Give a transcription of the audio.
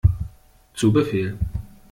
Zu Befehl!